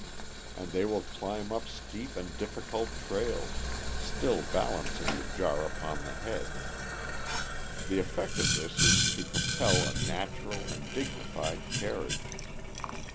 And they will climb up steep and difficult trails, still balancing the jar upon the head. The effect of this is to compel a natural and dignified carriage.